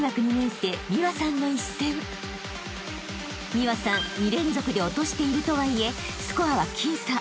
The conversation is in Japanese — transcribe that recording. ［美和さん２連続で落としているとはいえスコアは僅差。